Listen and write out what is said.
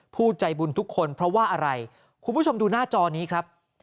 ผู้ใจบุญทุกคนเพราะว่าอะไรคุณผู้ชมดูหน้าจอนี้ครับ